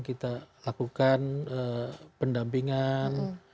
kita lakukan pendampingan